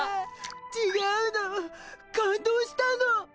ちがうの感動したの！